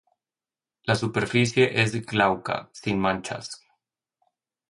La superficie es glauca, sin manchas.